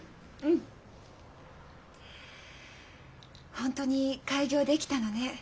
本当に開業できたのね。